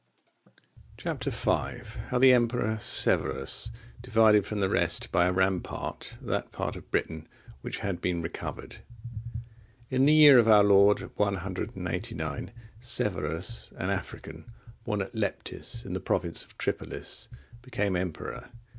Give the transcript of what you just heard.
Chap. V. How the Emperor Severus divided from the rest by a rampart that part of Britain which had been recovered. In the year of our Lord 189, Severus, an African, born at Leptis, in the province of Tripolis, became emperor.